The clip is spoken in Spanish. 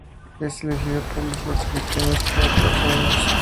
Es elegido por los puertorriqueños cada cuatro años.